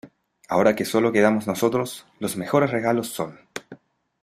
ahora que solo quedamos nosotros, los mejores regalos son